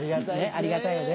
ありがたいですね。